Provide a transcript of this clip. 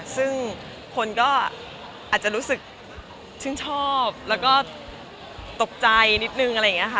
ซึ่งคนก็อาจจะรู้สึกชื่นชอบแล้วก็ตกใจนิดนึงอะไรอย่างนี้ค่ะ